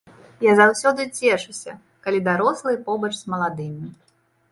Я заўсёды цешуся, калі дарослыя побач з маладымі.